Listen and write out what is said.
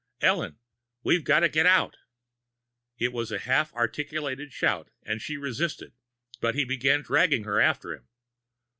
"Ellen! We've got to get out!" It was a half articulate shout, and she resisted, but he began dragging her after him.